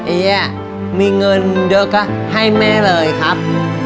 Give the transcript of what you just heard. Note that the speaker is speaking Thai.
ไอ้แย่มีเงินเดี๋ยวก็ให้แม่เลยครับ